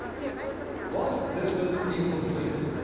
But this is incomplete.